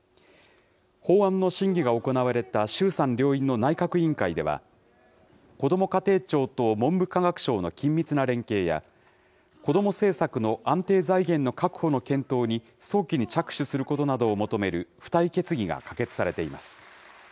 法案の審議が行われた、衆参両院の内閣委員会では、こども家庭庁と文部科学省の緊密な連携や、子ども政策の安定財源の確保の検討に早期に着手することなどを求める付帯決議が可決されています。